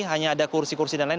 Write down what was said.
hanya ada kursi kursi dan lain lain